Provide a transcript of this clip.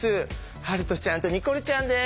遥斗ちゃんとニコルちゃんです。